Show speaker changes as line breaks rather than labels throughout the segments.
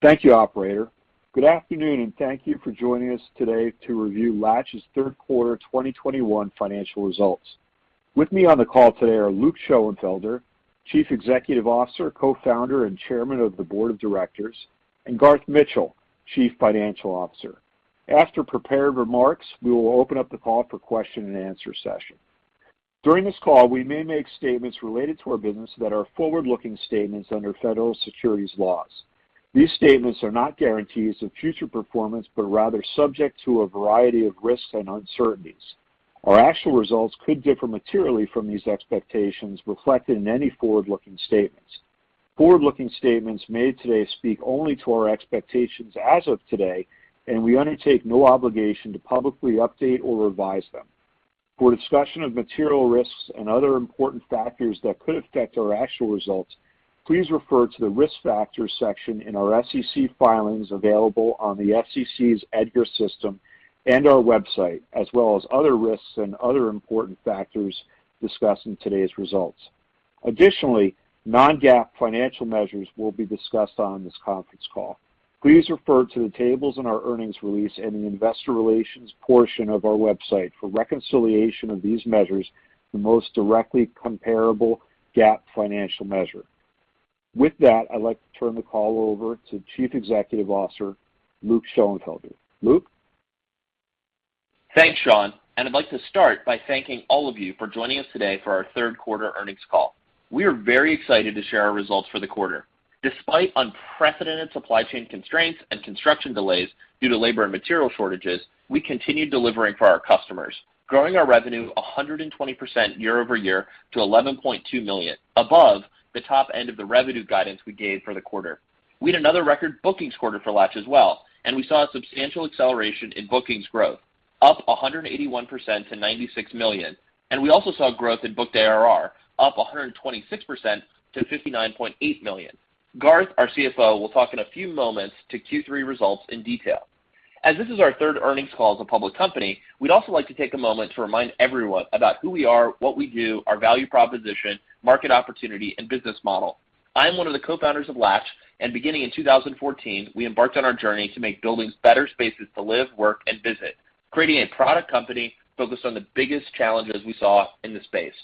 Thank you, operator. Good afternoon, and thank you for joining us today to review Latch's Q3 2021 Financial Results. With me on the call today are Luke Schoenfelder, Chief Executive Officer, Co-founder, and Chairman of the Board of Directors, and Garth Mitchell, Chief Financial Officer. After prepared remarks, we will open up the call for question and answer session. During this call, we may make statements related to our business that are forward-looking statements under federal securities laws. These statements are not guarantees of future performance, but rather subject to a variety of risks and uncertainties. Our actual results could differ materially from these expectations reflected in any forward-looking statements. Forward-looking statements made today speak only to our expectations as of today, and we undertake no obligation to publicly update or revise them. For a discussion of material risks and other important factors that could affect our actual results, please refer to the Risk Factors section in our SEC filings available on the SEC's EDGAR system and our website, as well as other risks and other important factors discussed in today's results. Additionally, non-GAAP financial measures will be discussed on this conference call. Please refer to the tables in our earnings release in the investor relations portion of our website for reconciliation of these measures, the most directly comparable GAAP financial measure. With that, I'd like to turn the call over to Chief Executive Officer, Luke Schoenfelder. Luke?
Thanks, Sean, and I'd like to start by thanking all of you for joining us today for our Q3 earnings call. We are very excited to share our results for the quarter. Despite unprecedented supply chain constraints and construction delays due to labor and material shortages, we continued delivering for our customers, growing our revenue 120% year-over-year to $11.2 million, above the top end of the revenue guidance we gave for the quarter. We had another record bookings quarter for Latch as well, and we saw a substantial acceleration in bookings growth, up 181%-$96 million. We also saw growth in booked ARR, up 126%-$59.8 million. Garth, our CFO, will talk in a few moments to Q3 results in detail. As this is our third earnings call as a public company, we'd also like to take a moment to remind everyone about who we are, what we do, our value proposition, market opportunity, and business model. I am one of the co-founders of Latch, and beginning in 2014, we embarked on our journey to make buildings better spaces to live, work, and visit, creating a product company focused on the biggest challenges we saw in the space.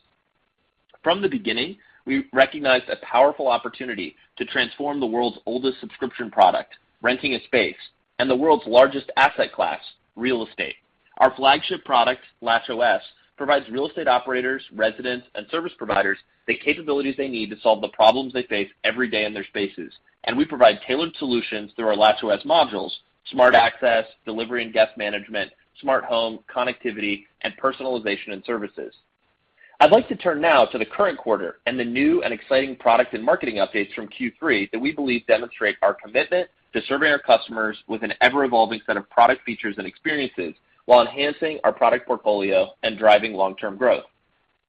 From the beginning, we recognized a powerful opportunity to transform the world's oldest subscription product, renting a space, and the world's largest asset class, real estate. Our flagship product, LatchOS, provides real estate operators, residents, and service providers the capabilities they need to solve the problems they face every day in their spaces, and we provide tailored solutions through our LatchOS modules, smart access, delivery and guest management, smart home, connectivity, and personalization and services. I'd like to turn now to the current quarter and the new and exciting product and marketing updates from Q3 that we believe demonstrate our commitment to serving our customers with an ever-evolving set of product features and experiences while enhancing our product portfolio and driving long-term growth.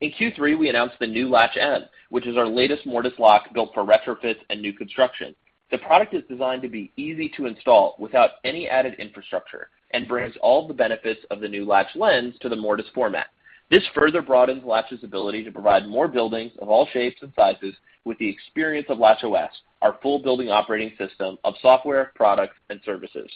In Q3, we announced the new Latch M, which is our latest mortise lock built for retrofits and new construction. The product is designed to be easy to install without any added infrastructure and brings all the benefits of the new Latch Lens to the mortise format. This further broadens Latch's ability to provide more buildings of all shapes and sizes with the experience of LatchOS, our full building operating system of software, products, and services.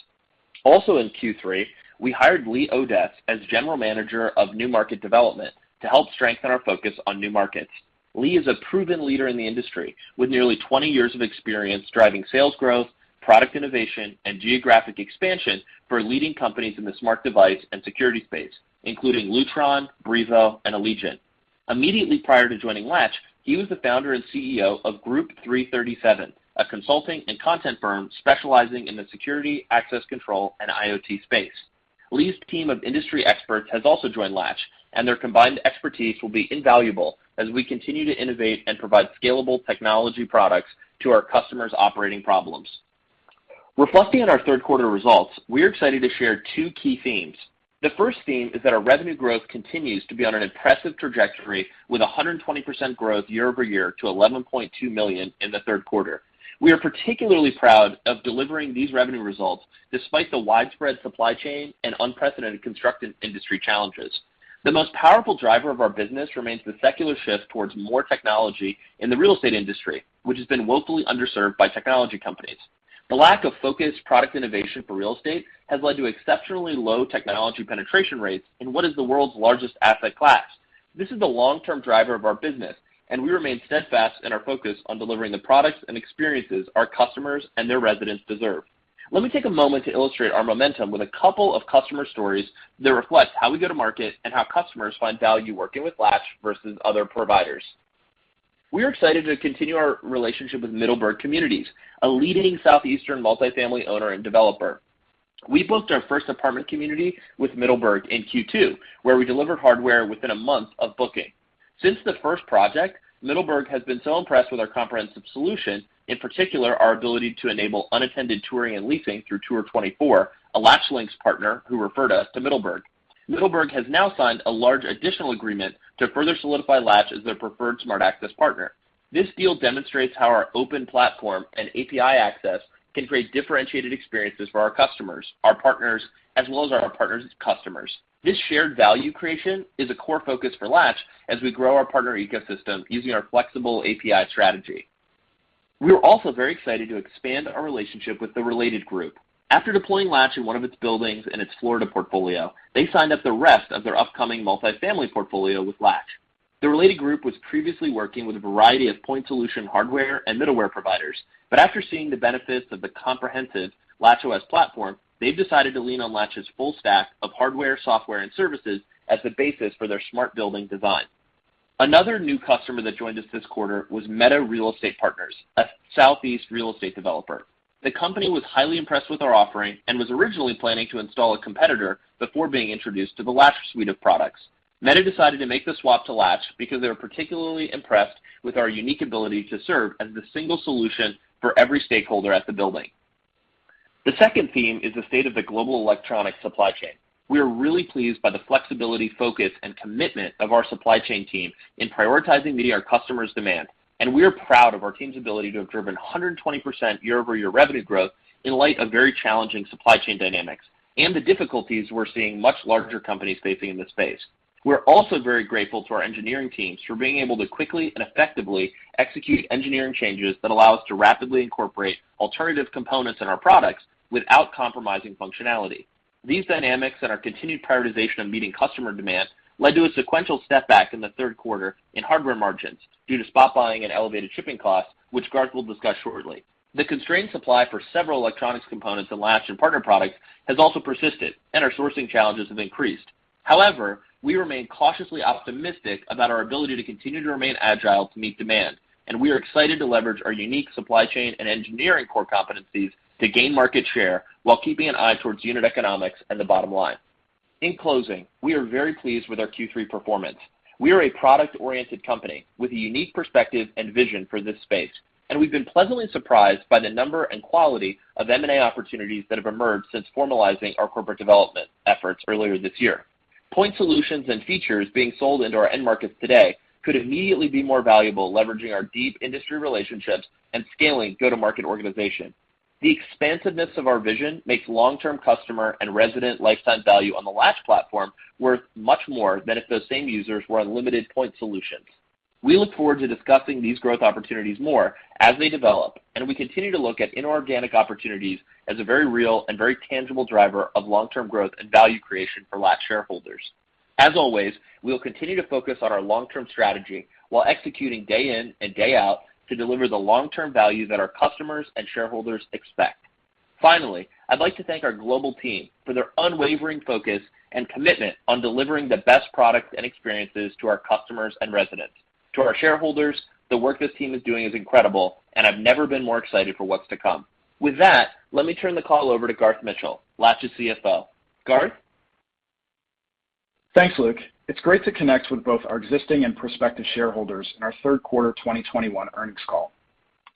Also in Q3, we hired Lee Odess as General Manager of New Market Development to help strengthen our focus on new markets. Lee is a proven leader in the industry with nearly 20 years of experience driving sales growth, product innovation, and geographic expansion for leading companies in the smart device and security space, including Lutron, Brivo, and Allegion. Immediately prior to joining Latch, he was the founder and CEO of Group337, a consulting and content firm specializing in the security, access control, and IoT space. Lee's team of industry experts has also joined Latch, and their combined expertise will be invaluable as we continue to innovate and provide scalable technology products to our customers' operating problems. Reflecting on our Q3 results, we are excited to share 2 key themes. The first theme is that our revenue growth continues to be on an impressive trajectory with 120% growth year-over-year to $11.2 million in the Q3. We are particularly proud of delivering these revenue results despite the widespread supply chain and unprecedented construction industry challenges. The most powerful driver of our business remains the secular shift towards more technology in the real estate industry, which has been woefully underserved by technology companies. The lack of focused product innovation for real estate has led to exceptionally low technology penetration rates in what is the world's largest asset class. This is the long-term driver of our business, and we remain steadfast in our focus on delivering the products and experiences our customers and their residents deserve. Let me take a moment to illustrate our momentum with a couple of customer stories that reflect how we go to market and how customers find value working with Latch versus other providers. We are excited to continue our relationship with Middleburg Communities, a leading Southeastern multifamily owner and developer. We booked our first apartment community with Middleburg in Q2, where we delivered hardware within a month of booking. Since the first project, Middleburg has been so impressed with our comprehensive solution, in particular, our ability to enable unattended touring and leasing through Tour24, a Latch Lens partner who referred us to Middleburg. Middleburg has now signed a large additional agreement to further solidify Latch as their preferred smart access partner. This deal demonstrates how our open platform and API access can create differentiated experiences for our customers, our partners, as well as our partners' customers. This shared value creation is a core focus for Latch as we grow our partner ecosystem using our flexible API strategy. We are also very excited to expand our relationship with The Related Group. After deploying Latch in one of its buildings in its Florida portfolio, they signed up the rest of their upcoming multifamily portfolio with Latch. The Related Group was previously working with a variety of point solution hardware and middleware providers. After seeing the benefits of the comprehensive LatchOS platform, they've decided to lean on Latch's full stack of hardware, software, and services as the basis for their smart building design. Another new customer that joined us this quarter was META Real Estate Partners, a Southeast real estate developer. The company was highly impressed with our offering and was originally planning to install a competitor before being introduced to the Latch suite of products. META decided to make the swap to Latch because they were particularly impressed with our unique ability to serve as the single solution for every stakeholder at the building. The second theme is the state of the global electronic supply chain. We are really pleased by the flexibility, focus, and commitment of our supply chain team in prioritizing meeting our customers' demand, and we are proud of our team's ability to have driven 120% year-over-year revenue growth in light of very challenging supply chain dynamics and the difficulties we're seeing much larger companies facing in this space. We're also very grateful to our engineering teams for being able to quickly and effectively execute engineering changes that allow us to rapidly incorporate alternative components in our products without compromising functionality. These dynamics and our continued prioritization of meeting customer demand led to a sequential setback in the Q3 in hardware margins due to spot buying and elevated shipping costs, which Garth will discuss shortly. The constrained supply for several electronics components in Latch and partner products has also persisted, and our sourcing challenges have increased. However, we remain cautiously optimistic about our ability to continue to remain agile to meet demand, and we are excited to leverage our unique supply chain and engineering core competencies to gain market share while keeping an eye towards unit economics and the bottom line. In closing, we are very pleased with our Q3 performance. We are a product-oriented company with a unique perspective and vision for this space, and we've been pleasantly surprised by the number and quality of M&A opportunities that have emerged since formalizing our corporate development efforts earlier this year. Point solutions and features being sold into our end markets today could immediately be more valuable leveraging our deep industry relationships and scaling go-to-market organization. The expansiveness of our vision makes long-term customer and resident lifetime value on the Latch platform worth much more than if those same users were on limited point solutions. We look forward to discussing these growth opportunities more as they develop, and we continue to look at inorganic opportunities as a very real and very tangible driver of long-term growth and value creation for Latch shareholders. As always, we will continue to focus on our long-term strategy while executing day in and day out to deliver the long-term value that our customers and shareholders expect. Finally, I'd like to thank our global team for their unwavering focus and commitment on delivering the best products and experiences to our customers and residents. To our shareholders, the work this team is doing is incredible, and I've never been more excited for what's to come. With that, let me turn the call over to Garth Mitchell, Latch's CFO. Garth?
Thanks, Luke. It's great to connect with both our existing and prospective shareholders in our Q3 2021 earnings call.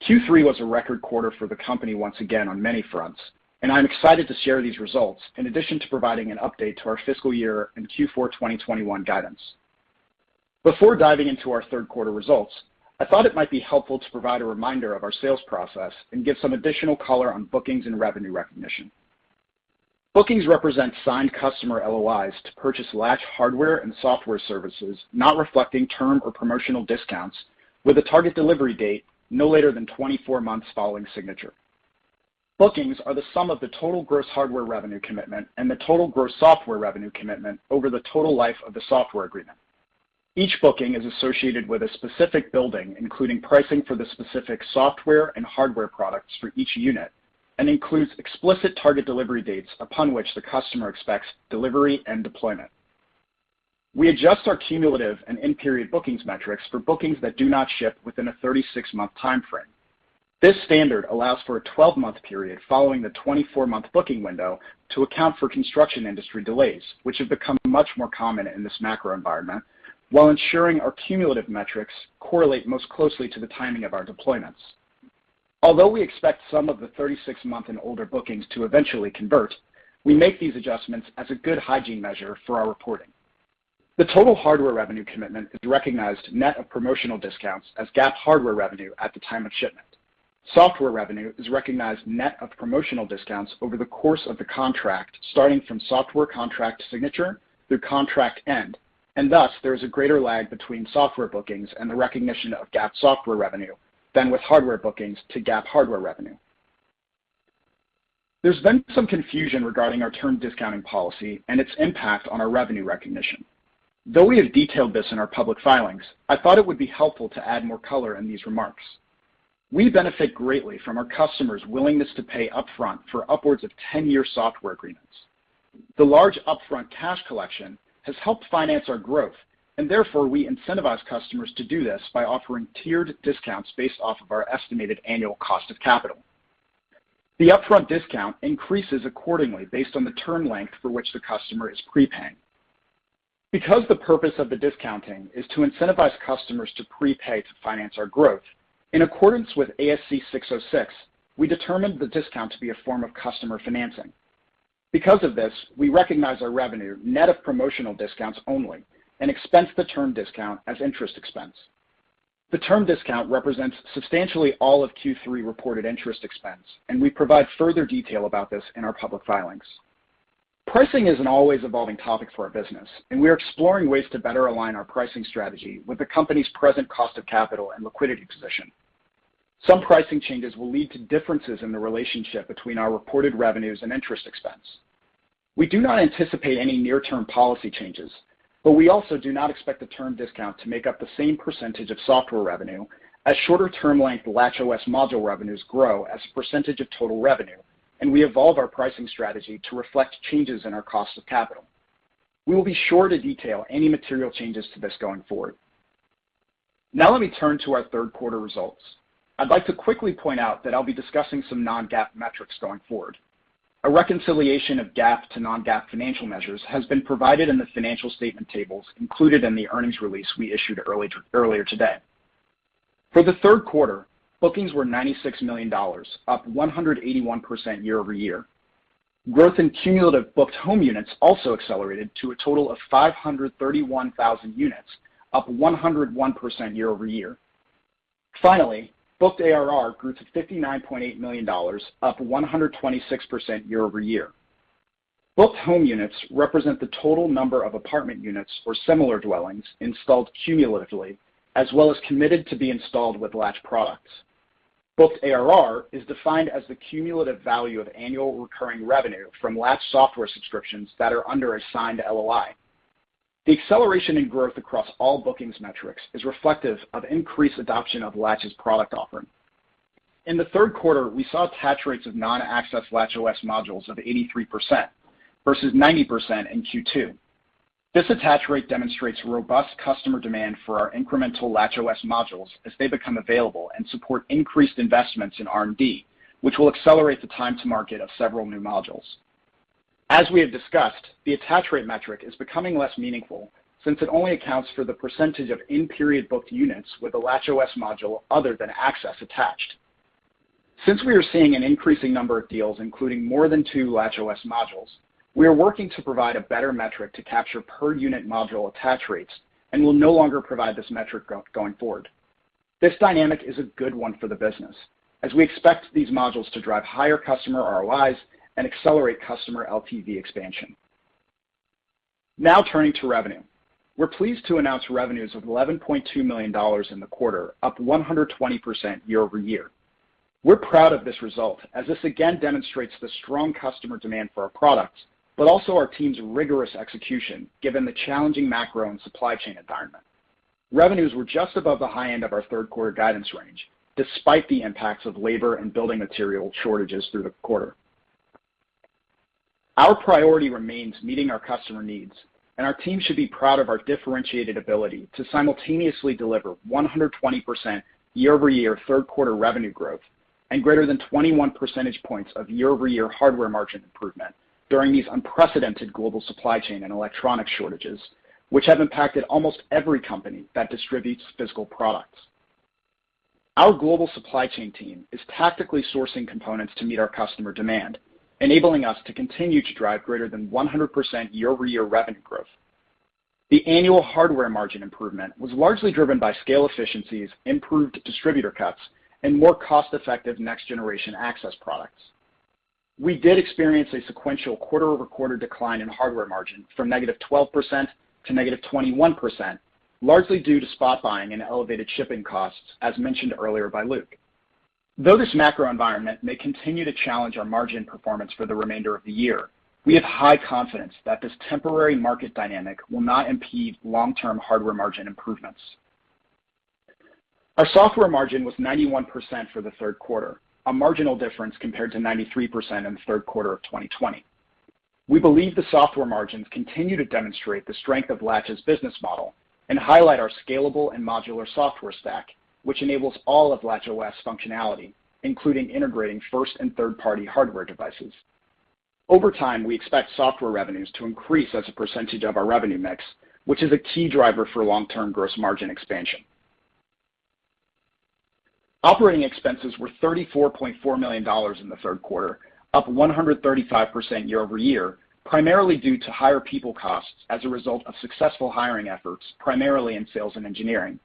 Q3 was a record quarter for the company once again on many fronts, and I'm excited to share these results in addition to providing an update to our fiscal year and Q4 2021 guidance. Before diving into our Q3 results, I thought it might be helpful to provide a reminder of our sales process and give some additional color on bookings and revenue recognition. Bookings represent signed customer LOIs to purchase Latch hardware and software services not reflecting term or promotional discounts with a target delivery date no later than 24 months following signature. Bookings are the sum of the total gross hardware revenue commitment and the total gross software revenue commitment over the total life of the software agreement. Each booking is associated with a specific building, including pricing for the specific software and hardware products for each unit and includes explicit target delivery dates upon which the customer expects delivery and deployment. We adjust our cumulative and in-period bookings metrics for bookings that do not ship within a 36-month timeframe. This standard allows for a 12-month period following the 24-month booking window to account for construction industry delays, which have become much more common in this macro environment while ensuring our cumulative metrics correlate most closely to the timing of our deployments. Although we expect some of the 36-month and older bookings to eventually convert, we make these adjustments as a good hygiene measure for our reporting. The total hardware revenue commitment is recognized net of promotional discounts as GAAP hardware revenue at the time of shipment. Software revenue is recognized net of promotional discounts over the course of the contract, starting from software contract signature through contract end, and thus there is a greater lag between software bookings and the recognition of GAAP software revenue than with hardware bookings to GAAP hardware revenue. There's been some confusion regarding our term discounting policy and its impact on our revenue recognition. Though we have detailed this in our public filings, I thought it would be helpful to add more color in these remarks. We benefit greatly from our customers' willingness to pay upfront for upwards of 10-year software agreements. The large upfront cash collection has helped finance our growth, and therefore, we incentivize customers to do this by offering tiered discounts based off of our estimated annual cost of capital. The upfront discount increases accordingly based on the term length for which the customer is prepaying. Because the purpose of the discounting is to incentivize customers to prepay to finance our growth, in accordance with ASC 606, we determined the discount to be a form of customer financing. Because of this, we recognize our revenue net of promotional discounts only and expense the term discount as interest expense. The term discount represents substantially all of Q3 reported interest expense, and we provide further detail about this in our public filings. Pricing is an always evolving topic for our business, and we are exploring ways to better align our pricing strategy with the company's present cost of capital and liquidity position. Some pricing changes will lead to differences in the relationship between our reported revenues and interest expense. We do not anticipate any near-term policy changes, but we also do not expect the term discount to make up the same percentage of software revenue as shorter term length LatchOS module revenues grow as a percentage of total revenue, and we evolve our pricing strategy to reflect changes in our cost of capital. We will be sure to detail any material changes to this going forward. Now let me turn to our Q3 results. I'd like to quickly point out that I'll be discussing some non-GAAP metrics going forward. A reconciliation of GAAP to non-GAAP financial measures has been provided in the financial statement tables included in the earnings release we issued earlier today. For the Q3, bookings were $96 million, up 181% year-over-year. Growth in cumulative booked home units also accelerated to a total of 531,000 units, up 101% year-over-year. Finally, booked ARR grew to $59.8 million, up 126% year-over-year. Booked home units represent the total number of apartment units or similar dwellings installed cumulatively, as well as committed to be installed with Latch products. Booked ARR is defined as the cumulative value of annual recurring revenue from Latch software subscriptions that are under assigned LOI. The acceleration in growth across all bookings metrics is reflective of increased adoption of Latch's product offering. In the Q3, we saw attach rates of non-access LatchOS modules of 83% versus 90% in Q2. This attach rate demonstrates robust customer demand for our incremental LatchOS modules as they become available and support increased investments in R&D, which will accelerate the time to market of several new modules. As we have discussed, the attach rate metric is becoming less meaningful since it only accounts for the percentage of in-period booked units with a LatchOS module other than access attached. Since we are seeing an increasing number of deals including more than two LatchOS modules, we are working to provide a better metric to capture per unit module attach rates and will no longer provide this metric going forward. This dynamic is a good one for the business as we expect these modules to drive higher customer ROIs and accelerate customer LTV expansion. Now turning to revenue. We're pleased to announce revenues of $11.2 million in the quarter, up 120% year-over-year. We're proud of this result as this again demonstrates the strong customer demand for our products, but also our team's rigorous execution given the challenging macro and supply chain environment. Revenues were just above the high end of our Q3 guidance range, despite the impacts of labor and building material shortages through the quarter. Our priority remains meeting our customer needs, and our team should be proud of our differentiated ability to simultaneously deliver 120% year-over-year Q3 revenue growth and greater than 21 percentage points of year-over-year hardware margin improvement during these unprecedented global supply chain and electronic shortages, which have impacted almost every company that distributes physical products. Our global supply chain team is tactically sourcing components to meet our customer demand, enabling us to continue to drive greater than 100% year-over-year revenue growth. The annual hardware margin improvement was largely driven by scale efficiencies, improved distributor cuts, and more cost-effective next generation access products. We did experience a sequential quarter-over-quarter decline in hardware margin from -12%to-21%, largely due to spot buying and elevated shipping costs, as mentioned earlier by Luke. Though this macro environment may continue to challenge our margin performance for the remainder of the year, we have high confidence that this temporary market dynamic will not impede long-term hardware margin improvements. Our software margin was 91% for the Q3, a marginal difference compared to 93% in the Q3 of 2020. We believe the software margins continue to demonstrate the strength of Latch's business model and highlight our scalable and modular software stack, which enables all of LatchOS functionality, including integrating first and third-party hardware devices. Over time, we expect software revenues to increase as a percentage of our revenue mix, which is a key driver for long-term gross margin expansion. Operating expenses were $34.4 million in the Q3, up 135% year-over-year, primarily due to higher people costs as a result of successful hiring efforts, primarily in sales and engineering.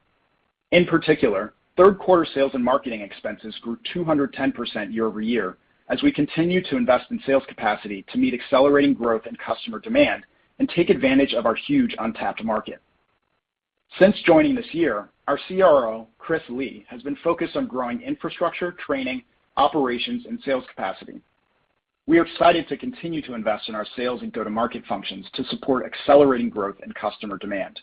In particular, Q3 sales and marketing expenses grew 210% year-over-year as we continue to invest in sales capacity to meet accelerating growth in customer demand and take advantage of our huge untapped market. Since joining this year, our CRO, Chris Lee, has been focused on growing infrastructure, training, operations, and sales capacity. We are excited to continue to invest in our sales and go-to-market functions to support accelerating growth in customer demand.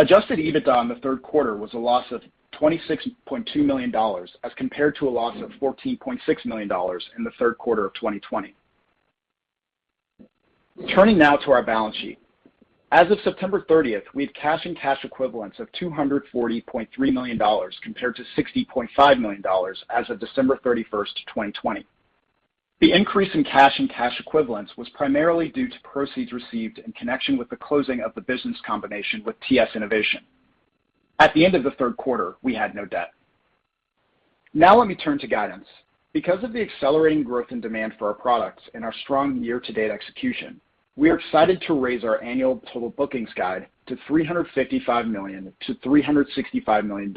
Adjusted EBITDA in the Q3 was a loss of $26.2 million, as compared to a loss of $14.6 million in the Q3 of 2020. Turning now to our balance sheet. As of September 30, we have cash and cash equivalents of $240.3 million compared to $60.5 million as of 31 December 2020. The increase in cash and cash equivalents was primarily due to proceeds received in connection with the closing of the business combination with TS Innovation. At the end of the Q3, we had no debt. Now let me turn to guidance. Because of the accelerating growth and demand for our products and our strong year-to-date execution. We are excited to raise our annual total bookings guide to $355-365 million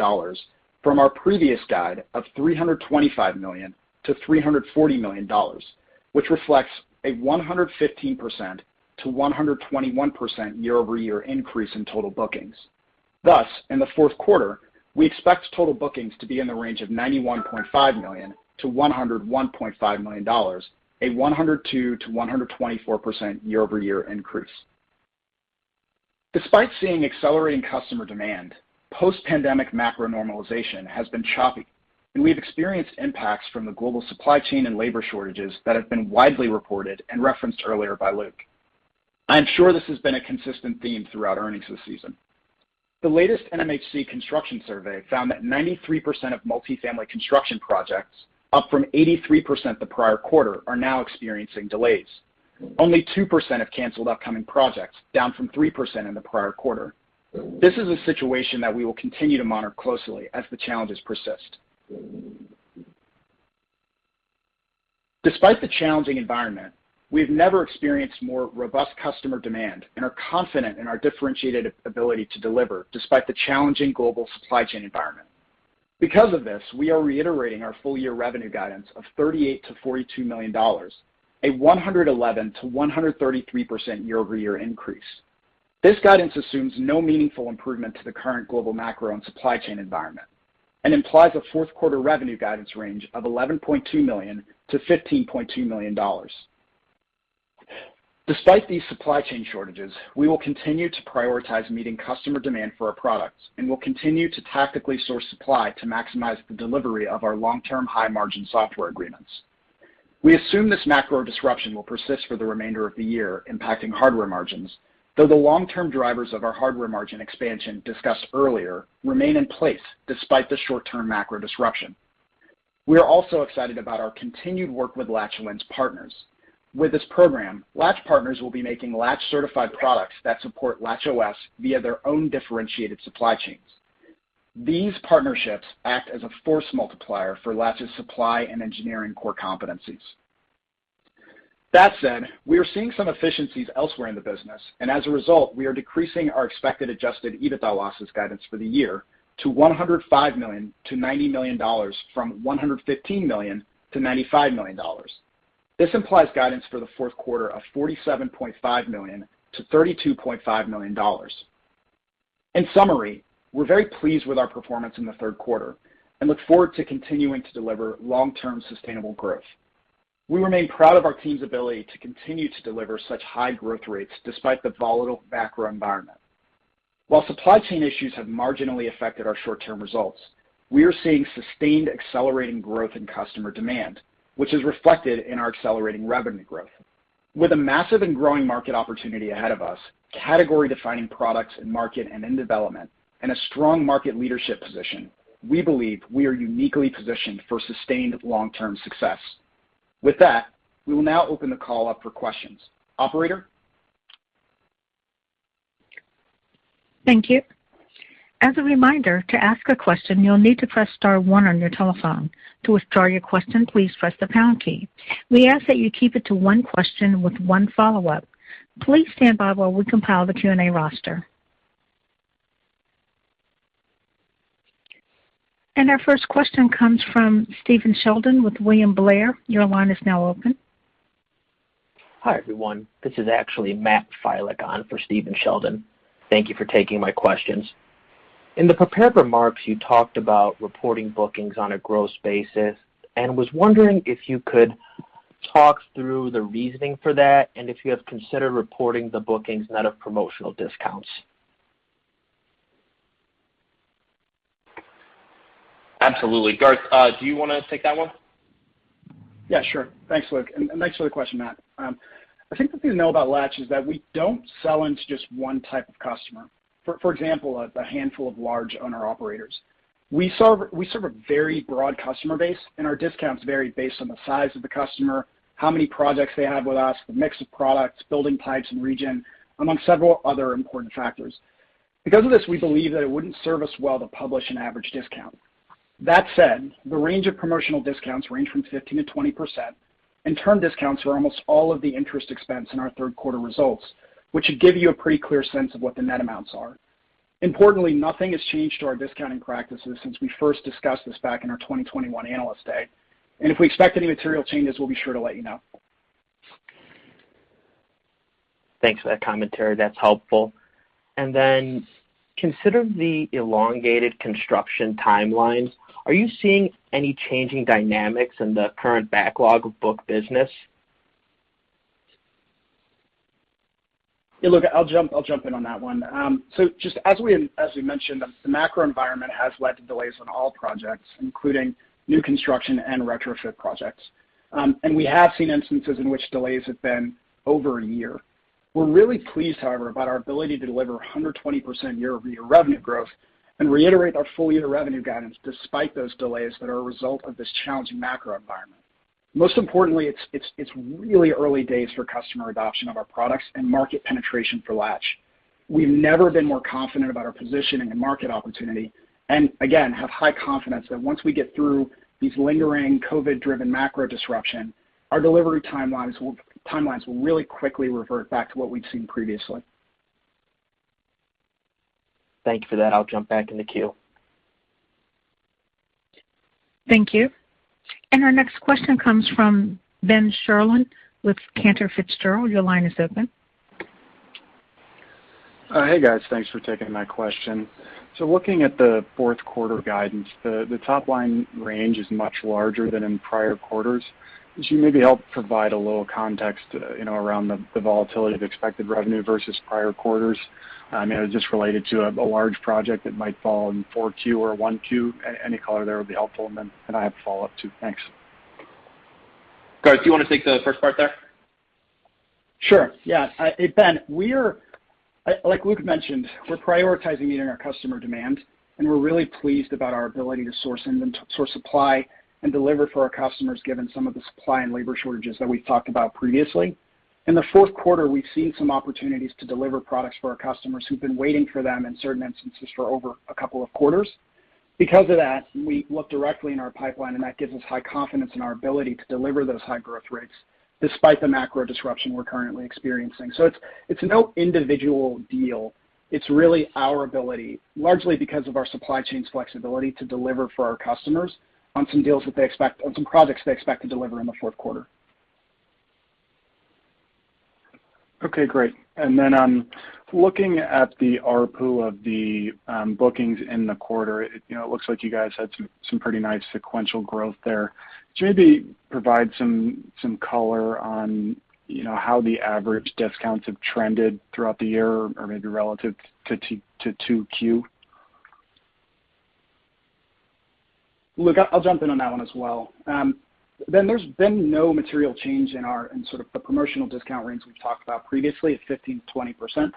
from our previous guide of $325-340 million, which reflects a 115%-121% year-over-year increase in total bookings. Thus, in the Q4, We expect total bookings to be in the range of $91.5-101.5 million, a 102%-124% year-over-year increase. Despite seeing accelerating customer demand, post-pandemic macro normalization has been choppy, and we've experienced impacts from the global supply chain and labor shortages that have been widely reported and referenced earlier by Luke. I am sure this has been a consistent theme throughout earnings this season. The latest NMHC Construction Survey found that 93% of multifamily construction projects, up from 83% the prior quarter, are now experiencing delays. Only 2% have canceled upcoming projects, down from 3% in the prior quarter. This is a situation that we will continue to monitor closely as the challenges persist. Despite the challenging environment, we've never experienced more robust customer demand and are confident in our differentiated ability to deliver despite the challenging global supply chain environment. Because of this, we are reiterating our full year revenue guidance of $38-42 million, a 111%-133% year-over-year increase. This guidance assumes no meaningful improvement to the current global macro and supply chain environment and implies a Q4 revenue guidance range of $11.2-15.2 million. Despite these supply chain shortages, we will continue to prioritize meeting customer demand for our products and will continue to tactically source supply to maximize the delivery of our long-term high-margin software agreements. We assume this macro disruption will persist for the remainder of the year, impacting hardware margins, though the long-term drivers of our hardware margin expansion discussed earlier remain in place despite the short-term macro disruption. We are also excited about our continued work with Latch Lens partners. With this program, Latch partners will be making Latch-certified products that support LatchOS via their own differentiated supply chains. These partnerships act as a force multiplier for Latch's supply and engineering core competencies. That said, we are seeing some efficiencies elsewhere in the business, and as a result, we are decreasing our expected adjusted EBITDA losses guidance for the year to $105-90 million from $115-95 million. This implies guidance for the Q4 of $47.5-32.5 million. In summary, we're very pleased with our performance in the Q3 and look forward to continuing to deliver long-term sustainable growth. We remain proud of our team's ability to continue to deliver such high growth rates despite the volatile macro environment. While supply chain issues have marginally affected our short-term results, we are seeing sustained accelerating growth in customer demand, which is reflected in our accelerating revenue growth. With a massive and growing market opportunity ahead of us, category-defining products in market and in development, and a strong market leadership position, we believe we are uniquely positioned for sustained long-term success. With that, we will now open the call up for questions. Operator?
Thank you. As a reminder, to ask a question, you'll need to press star one on your telephone. To withdraw your question, please press the pound key. We ask that you keep it to one question with one follow-up. Please stand by while we compile the Q&A roster. Our first question comes from Stephen Sheldon with William Blair. Your line is now open.
Hi, everyone. This is actually Matt Filek on for Stephen Sheldon. Thank you for taking my questions. In the prepared remarks, you talked about reporting bookings on a gross basis, and was wondering if you could talk through the reasoning for that and if you have considered reporting the bookings net of promotional discounts.
Absolutely. Garth, do you wanna take that one?
Yeah, sure. Thanks, Luke. Thanks for the question, Matt. I think the thing to know about Latch is that we don't sell into just one type of customer. For example, a handful of large owner-operators. We serve a very broad customer base, and our discounts vary based on the size of the customer, how many projects they have with us, the mix of products, building types, and region, among several other important factors. Because of this, we believe that it wouldn't serve us well to publish an average discount. That said, the range of promotional discounts range from 15%-20%, and term discounts are almost all of the interest expense in our Q3 results, which should give you a pretty clear sense of what the net amounts are. Importantly, nothing has changed to our discounting practices since we first discussed this back in our 2021 Analyst Day. If we expect any material changes, we'll be sure to let you know.
Thanks for that commentary. That's helpful. Considering the elongated construction timelines, are you seeing any changing dynamics in the current backlog of booked business?
Yeah, look, I'll jump in on that one. Just as we mentioned, the macro environment has led to delays on all projects, including new construction and retrofit projects. We have seen instances in which delays have been over a year. We're really pleased, however, about our ability to deliver 120% year-over-year revenue growth and reiterate our full year revenue guidance despite those delays that are a result of this challenging macro environment. Most importantly, it's really early days for customer adoption of our products and market penetration for Latch. We've never been more confident about our position in the market opportunity, and again, have high confidence that once we get through these lingering COVID-driven macro disruption, our delivery timelines will really quickly revert back to what we've seen previously.
Thank you for that. I'll jump back in the queue.
Thank you. Our next question comes from Ben Sherlund with Cantor Fitzgerald. Your line is open.
Hey, guys. Thanks for taking my question. Looking at the Q4 guidance, the top line range is much larger than in prior quarters. Could you maybe help provide a little context around the volatility of expected revenue versus prior quarters? I mean, is this related to a large project that might fall in Q4 or Q1? Any color there would be helpful. I have a follow-up, too. Thanks.
Garth, do you wanna take the first part there?
Sure, yeah. Hey, Ben. Like Luke mentioned, we're prioritizing meeting our customer demand, and we're really pleased about our ability to source supply and deliver for our customers given some of the supply and labor shortages that we've talked about previously. In the Q4, we've seen some opportunities to deliver products for our customers who've been waiting for them in certain instances for over a couple of quarters. Because of that, we look directly in our pipeline, and that gives us high confidence in our ability to deliver those high growth rates despite the macro disruption we're currently experiencing. It's no individual deal. It's really our ability, largely because of our supply chain's flexibility to deliver for our customers on some projects they expect to deliver in the Q4.
Okay, great. Looking at the ARPU of the bookings in the quarter, it looks like you guys had some pretty nice sequential growth there. Could you maybe provide some color on how the average discounts have trended throughout the year or maybe relative to 2Q?
Luke, I'll jump in on that one as well. Ben, there's been no material change in sort of the promotional discount range we've talked about previously at 15%-20%.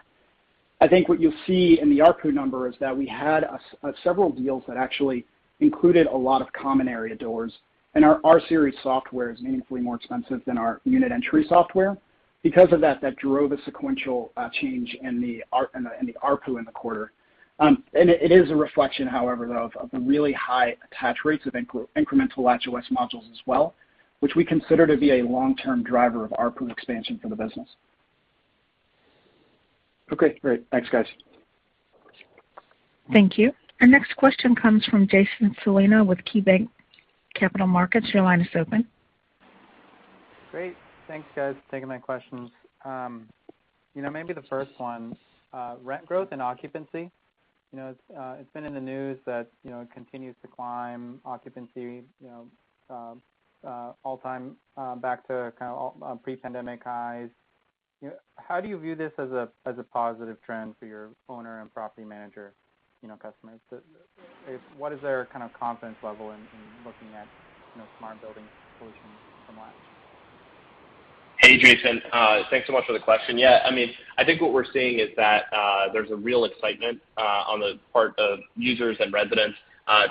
I think what you'll see in the ARPU number is that we had several deals that actually included a lot of common area doors, and our R Series software is meaningfully more expensive than our unit entry software. Because of that drove a sequential change in the ARPU in the quarter. It is a reflection, however, of the really high attach rates of incremental LatchOS modules as well, which we consider to be a long-term driver of ARPU expansion for the business.
Okay, great. Thanks, guys.
Thank you. Our next question comes from Jason Celino with KeyBanc Capital Markets. Your line is open.
Great. Thanks, guys, for taking my questions. You know, maybe the first one, rent growth and occupancy. It's been in the news that it continues to climb occupancy all-time back to kind of all pre-pandemic highs. How do you view this as a positive trend for your owner and property manager, customers? What is their kind of confidence level in looking at, smart building solutions from Latch?
Hey, Jason. Thanks so much for the question. Yeah, I mean, I think what we're seeing is that there's a real excitement on the part of users and residents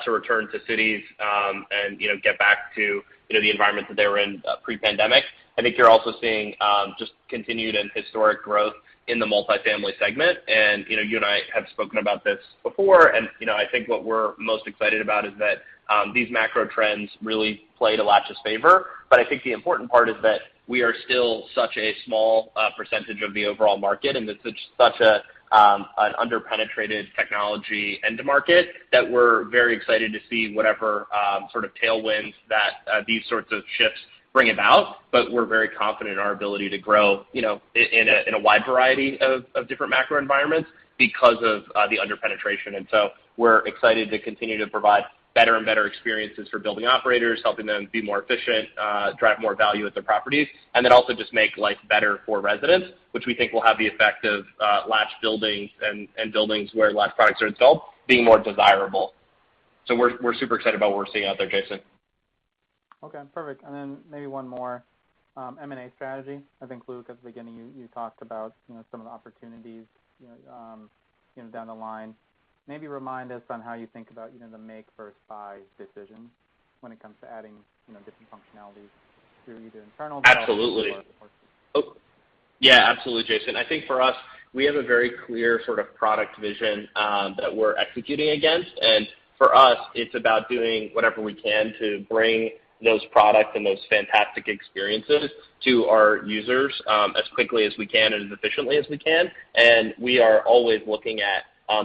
to return to cities and get back to the environment that they were in pre-pandemic. I think you're also seeing just continued and historic growth in the multifamily segment. You and I have spoken about this before. I think what we're most excited about is that these macro trends really play to Latch's favor. I think the important part is that we are still such a small percentage of the overall market, and it's such an under-penetrated technology end market that we're very excited to see whatever sort of tailwinds that these sorts of shifts bring about. We're very confident in our ability to grow in a wide variety of different macro environments because of the under-penetration. We're excited to continue to provide better and better experiences for building operators, helping them be more efficient, drive more value at their properties, and then also just make life better for residents, which we think will have the effect of Latch buildings and buildings where Latch products are installed being more desirable. We're super excited about what we're seeing out there, Jason.
Okay, perfect. Maybe one more. M&A strategy. I think, Luke, at the beginning, you talked about some of the opportunities down the line. Maybe remind us on how you think about the make versus buy decision when it comes to adding different functionalities through either internal development or.
Absolutely. Oh, yeah, absolutely, Jason. I think for us, we have a very clear sort of product vision that we're executing against. For us, it's about doing whatever we can to bring those products and those fantastic experiences to our users as quickly as we can and as efficiently as we can. We are always looking at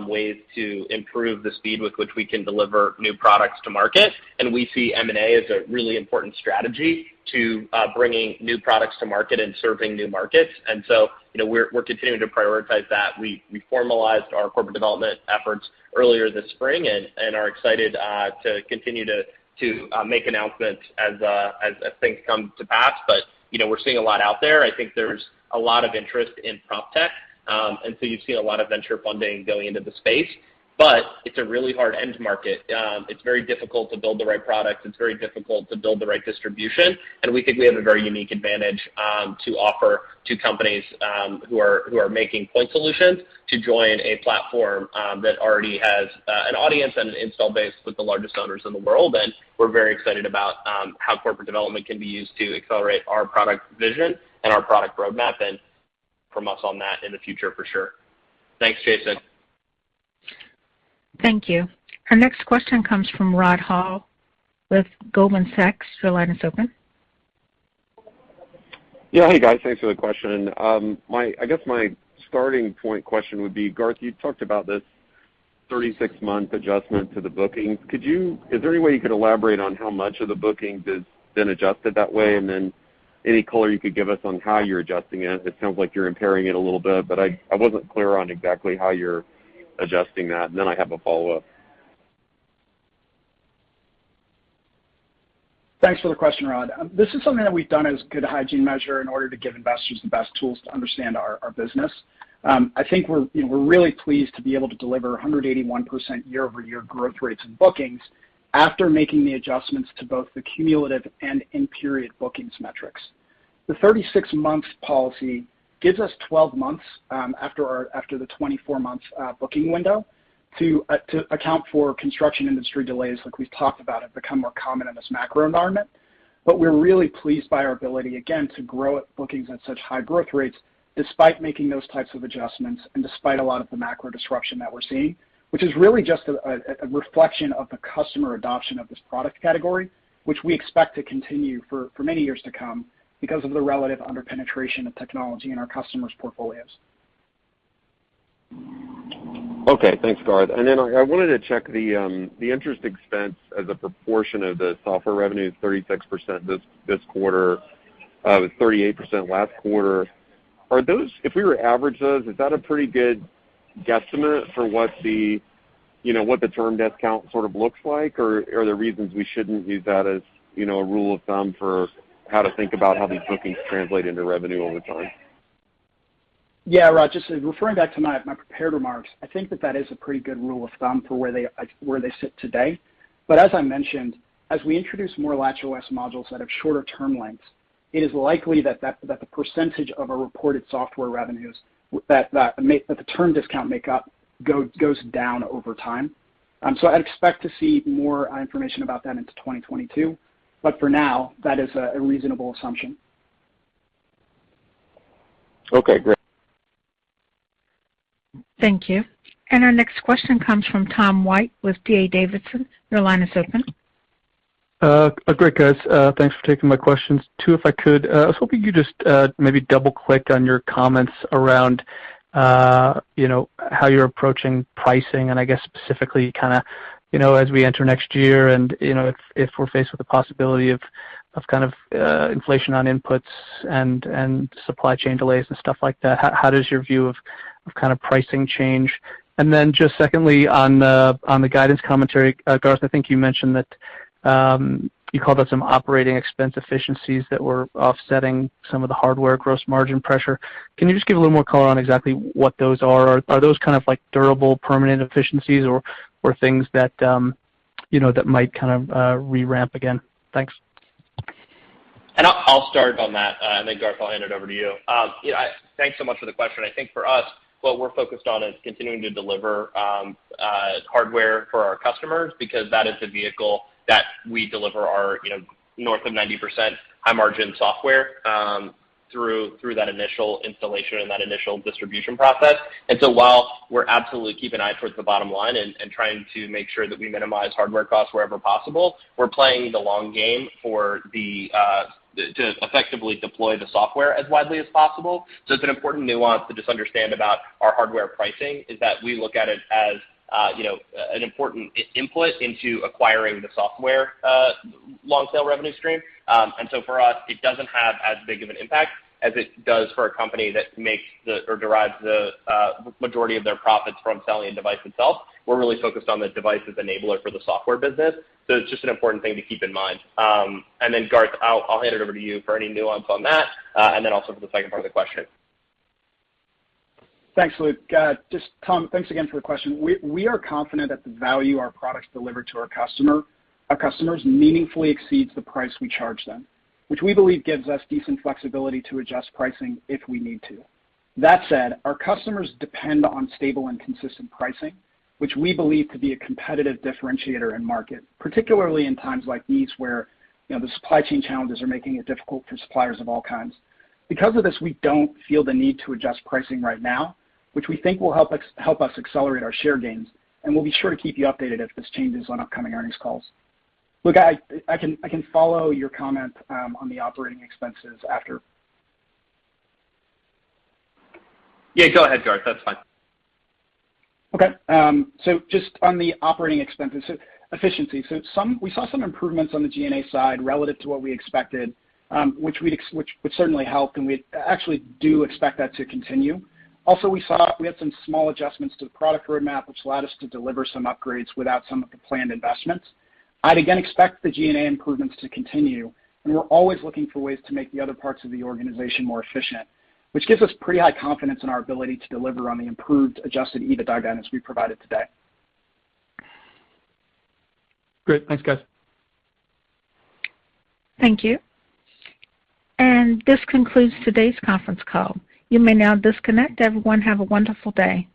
ways to improve the speed with which we can deliver new products to market. We see M&A as a really important strategy to bringing new products to market and serving new markets. So, we're continuing to prioritize that. We formalized our corporate development efforts earlier this spring and are excited to continue to make announcements as things come to pass. We're seeing a lot out there. I think there's a lot of interest in proptech. You've seen a lot of venture funding going into the space, but it's a really hard end market. It's very difficult to build the right product. It's very difficult to build the right distribution, and we think we have a very unique advantage to offer to companies who are making point solutions to join a platform that already has an audience and an install base with the largest owners in the world. We're very excited about how corporate development can be used to accelerate our product vision and our product roadmap, and follow us on that in the future for sure. Thanks, Jason.
Thank you. Our next question comes from Rod Hall with Goldman Sachs. Your line is open.
Yeah. Hey, guys. Thanks for the question. I guess my starting point question would be, Garth, you talked about this 36-month adjustment to the bookings. Could you elaborate on how much of the bookings has been adjusted that way? Any color you could give us on how you're adjusting it. It sounds like you're impairing it a little bit, but I wasn't clear on exactly how you're adjusting that. I have a follow-up.
Thanks for the question, Rod. This is something that we've done as good hygiene measure in order to give investors the best tools to understand our business. I think we're really pleased to be able to deliver 181% year-over-year growth rates in bookings after making the adjustments to both the cumulative and in-period bookings metrics. The 36-month policy gives us 12 months after the 24 months booking window to account for construction industry delays we've talked about, have become more common in this macro environment. We're really pleased by our ability, again, to grow bookings at such high growth rates despite making those types of adjustments and despite a lot of the macro disruption that we're seeing, which is really just a reflection of the customer adoption of this product category, which we expect to continue for many years to come because of the relative under-penetration of technology in our customers' portfolios.
Okay. Thanks, Garth. I wanted to check the interest expense as a proportion of the software revenue is 36% this quarter, was 38% last quarter. If we were to average those, is that a pretty good guesstimate for what, you know, what the term discount sort of looks like? Or are there reasons we shouldn't use that as a rule of thumb for how to think about how these bookings translate into revenue over time?
Yeah. Rod, just referring back to my prepared remarks, I think that is a pretty good rule of thumb for where they sit today. But as I mentioned, as we introduce more LatchOS modules that have shorter term lengths, it is likely that the percentage of reported software revenues that the term discount make up goes down over time. So I'd expect to see more information about that into 2022, but for now, that is a reasonable assumption.
Okay. Great.
Thank you. Our next question comes from Tom White with D.A. Davidson. Your line is open.
Great, guys. Thanks for taking my questions. Two, if I could. I was hoping you just maybe double-click on your comments around how you're approaching pricing, and I guess specifically kinda as we enter next year and if we're faced with the possibility of kind of inflation on inputs and supply chain delays and stuff like that, how does your view of kind of pricing change? Then just secondly, on the guidance commentary, Garth, I think you mentioned that you called out some operating expense efficiencies that were offsetting some of the hardware gross margin pressure. Can you just give a little more color on exactly what those are? Are those kind of like durable permanent efficiencies or things that, that might kind of re-ramp again? Thanks.
I'll start on that, and then Garth, I'll hand it over to you. Yeah, thanks so much for the question. I think for us, what we're focused on is continuing to deliver hardware for our customers because that is the vehicle that we deliver our north of 90% high margin software through that initial installation and that initial distribution process. While we're absolutely keeping an eye towards the bottom line and trying to make sure that we minimize hardware costs wherever possible, we're playing the long game to effectively deploy the software as widely as possible. It's an important nuance to just understand about our hardware pricing, is that we look at it as an important input into acquiring the software long-tail revenue stream. For us, it doesn't have as big of an impact as it does for a company that derives the majority of their profits from selling a device itself. We're really focused on the device's enabler for the software business. It's just an important thing to keep in mind. Garth, I'll hand it over to you for any nuance on that, and then also for the second part of the question.
Thanks, Luke. Just Tom, thanks again for the question. We are confident that the value our products deliver to our customers meaningfully exceeds the price we charge them, which we believe gives us decent flexibility to adjust pricing if we need to. That said, our customers depend on stable and consistent pricing, which we believe to be a competitive differentiator in market, particularly in times like these where the supply chain challenges are making it difficult for suppliers of all kinds. Because of this, we don't feel the need to adjust pricing right now, which we think will help us accelerate our share gains, and we'll be sure to keep you updated if this changes on upcoming earnings calls. Luke, I can follow your comment on the operating expenses after.
Yeah, go ahead, Garth. That's fine.
Okay. Just on the operating expenses efficiency, we saw some improvements on the G&A side relative to what we expected, which would certainly help, and we actually do expect that to continue. Also, we had some small adjustments to the product roadmap, which allowed us to deliver some upgrades without some of the planned investments. I'd again expect the G&A improvements to continue, and we're always looking for ways to make the other parts of the organization more efficient, which gives us pretty high confidence in our ability to deliver on the improved adjusted EBITDA guidance we provided today.
Great. Thanks, guys.
Thank you. This concludes today's conference call. You may now disconnect. Everyone, have a wonderful day.